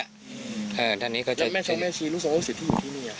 แล้วแม่ชาวแม่ชีรู้สึกว่าเสียที่อยู่ที่นี่อ่ะ